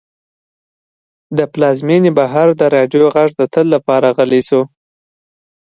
له پلازمېنې بهر د راډیو غږ د تل لپاره غلی شو.